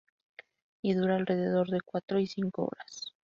Y dura alrededor de cuatro y cinco horas.